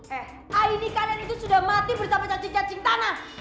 eh aini kalian itu sudah mati bersama cacing cacing tanah